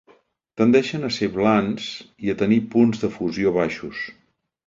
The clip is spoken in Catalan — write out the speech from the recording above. Tendeixen a ser blans i a tenir punts de fusió baixos.